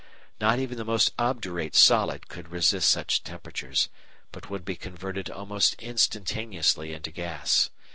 Not even the most obdurate solid could resist such temperatures, but would be converted almost instantaneously into gas.